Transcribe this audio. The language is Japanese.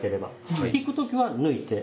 引く時は抜いて。